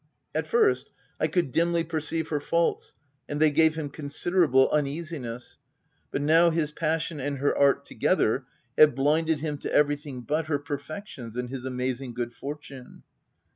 At first, he could dimly perceive her faults, and they gave him considerable uneasiness ; but now his pas sion and her art together, have blinded him to . everything but her perfections and his amazing good fortune.